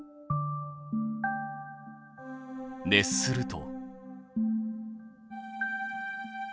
熱すると。